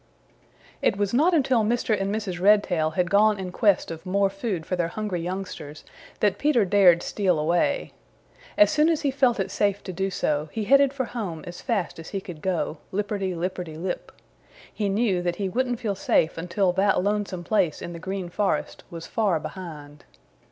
It was not until Mr. and Mrs. Redtail had gone in quest of more food for their hungry youngsters that Peter dared steal away. As soon as he felt it safe to do so, he headed for home as fast as he could go, lipperty lipperty lip. He knew that he wouldn't feel safe until that lonesome place in the Green Forest was far behind.